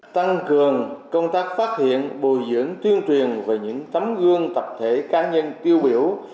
tăng cường công tác phát hiện bồi dưỡng tuyên truyền về những tấm gương tập thể cá nhân tiêu biểu